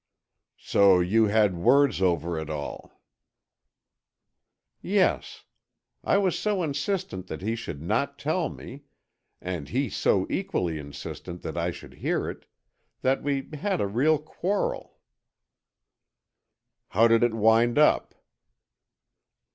"So you had words over it all." "Yes, I was so insistent that he should not tell me, and he so equally insistent that I should hear it, that we had a real quarrel." "How did it wind up?"